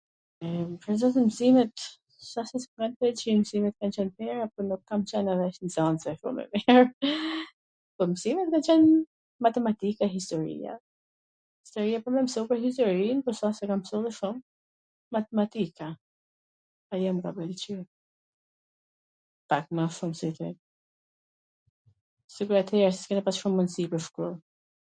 Pwr zotin msimet, s asht se s mw kan pwlqy msimet ... por nuk kam qwn nxanse shum e mir, po msimet kan qen matematika, historia, se po msove historin, mson dhe shum, matematika, ajo mw ka pwlqy, pak ma shum se tjerat, se ne atere s kena pas shum mundsi pwr shkoll,